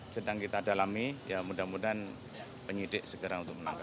sedang kita dalami ya mudah mudahan penyidik segera untuk menangkap